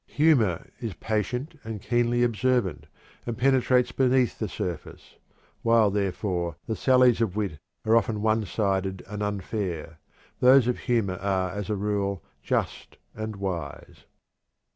Humor is patient and keenly observant, and penetrates beneath the surface; while, therefore, the sallies of wit are often one sided and unfair, those of humor are, as a rule, just and wise."